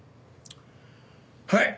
はい。